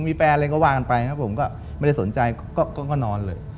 มีแฟนอะไรง็วางไปนะผมก็ไม่ได้สนใจก็นอนเลย